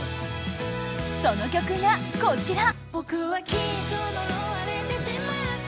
その曲がこちら。